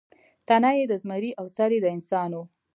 تنه یې د زمري او سر یې د انسان و.